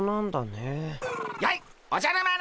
やいおじゃる丸！